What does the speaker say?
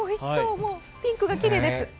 もうピンクがきれいです。